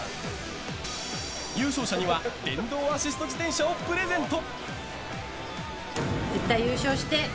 優勝者には電動アシスト自転車をプレゼント。